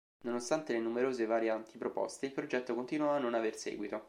Nonostante le numerose varianti proposte, il progetto continuò a non aver seguito.